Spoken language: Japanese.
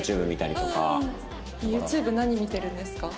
ＹｏｕＴｕｂｅ何見てるんですか？